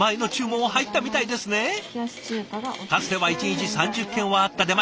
かつては１日３０件はあった出前